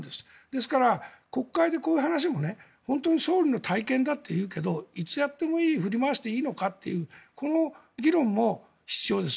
ですから、国会でこういう話も総理の大権だというけどいつやってもいい振り回していいのかっていうこの議論も必要です。